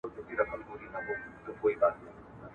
دا کالي تر هغه بل ډېر نرم دی.